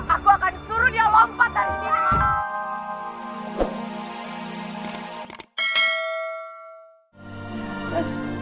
aku akan suruh dia lompat dari sini